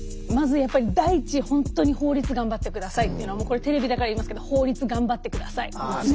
まずやっぱり第一ほんとに法律頑張って下さいっていうのはもうこれテレビだから言いますけど法律頑張って下さい。